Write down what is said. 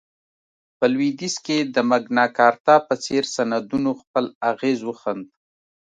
په لوېدیځ کې د مګناکارتا په څېر سندونو خپل اغېز وښند.